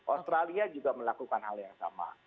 australia juga melakukan hal yang sama